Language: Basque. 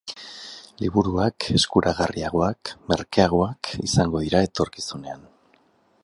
Liburuak eskuragarriagoak, merkeagoak, izango dira etorkizunean.